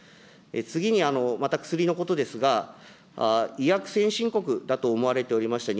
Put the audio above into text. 次に、また薬のことですが、医薬先進国だと思われておりました